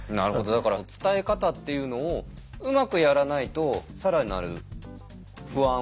だから伝え方っていうのをうまくやらないと更なる不安を増幅させちゃうことには。